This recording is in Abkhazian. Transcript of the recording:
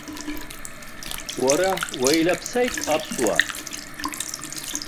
Уара уеилаԥсеит, аԥсуа.